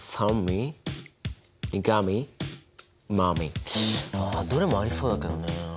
ああどれもありそうだけどね。